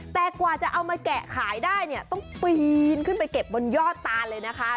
แต่กว่าจะเอามาแกะขายได้เนี่ยต้องปีนขึ้นไปเก็บบนยอดตานเลยนะคะ